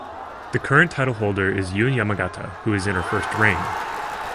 The current title holder is Yuu Yamagata who is in her first reign.